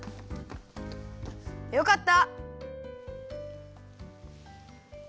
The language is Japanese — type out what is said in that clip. よかった。